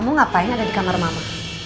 mau ngapain ada di kamar mama